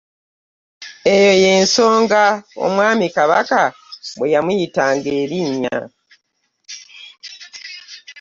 Eyo ye nsonga omwami Kabaka bwe yamuyitanga erinnya.